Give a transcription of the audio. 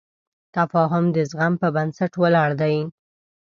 تفاهم د زغم په بنسټ ولاړ دی.